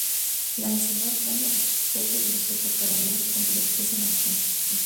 Lancelot gana el respeto de los otros Caballeros con su destreza en la batalla.